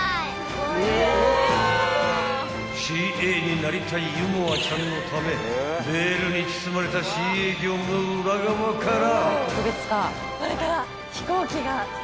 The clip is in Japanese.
［ＣＡになりたい優萌ちゃんのためベールに包まれたＣＡ業務の裏側から］